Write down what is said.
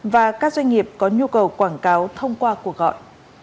và các doanh nghiệp có nhu cầu quảng cáo thông qua cuộc gọi